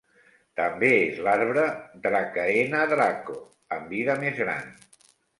També és l'arbre "Dracaena draco" amb vida més gran.